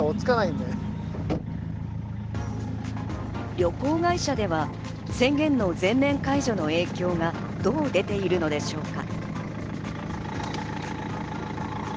旅行会社では宣言の全面解除の影響がどう出ているのでしょうか。